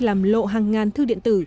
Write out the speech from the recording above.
làm lộ hàng ngàn thư điện tử